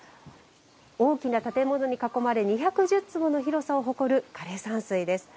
大きな建物に囲まれ２１０坪の広さを誇る枯山水です。